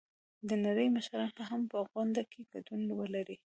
د نړۍ مشران به هم په غونډه کې ګډون ولري.